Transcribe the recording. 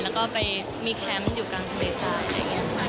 แล้วก็ไปมีแคมป์อยู่กลางทะเลใต้อะไรอย่างนี้ค่ะ